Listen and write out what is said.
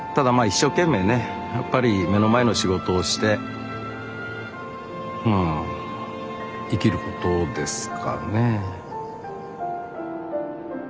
一生懸命ねやっぱり目の前の仕事をしてうん生きることですかね。